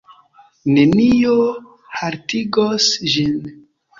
Nenio haltigos ĝin.